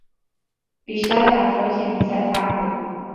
بیشتر حرفهایی که میزد حق بود.